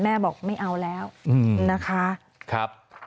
แม่บอกไม่เอาแล้วนะคะ